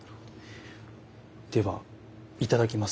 ではいただきます。